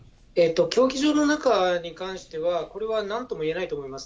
競技場の中に関しては、これはなんとも言えないと思います。